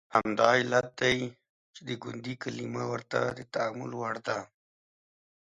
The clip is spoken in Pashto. همدا علت دی چې د ګوندي کلمه ورته د تامل وړ ده.